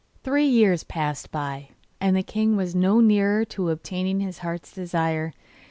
Three years passed by, and the king was no nearer to obtaining his heart's desire.